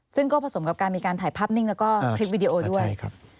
ซึ่งก็ผสมกับการมีการถ่ายภาพนิ่งแล้วก็คลิปวิดีโอด้วย